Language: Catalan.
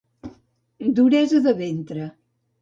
Duresa de ventre.